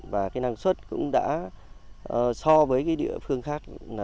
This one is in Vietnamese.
và năng suất cũng đã so với địa phương khác